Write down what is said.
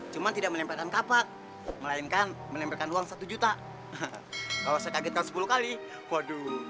cuman tidak menempelkan kapak melainkan menempelkan uang satu juta kalau saya kagetkan sepuluh kali waduh